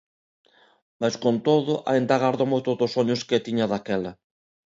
Mais, con todo, aínda gardo moitos dos soños que tiña daquela.